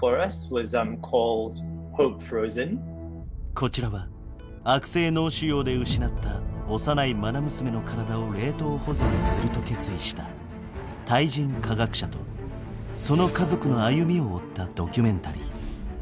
こちらは悪性脳腫瘍で失った幼いまな娘の体を冷凍保存すると決意したタイ人科学者とその家族の歩みを追ったドキュメンタリー。